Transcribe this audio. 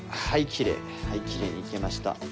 はいきれいにいけました。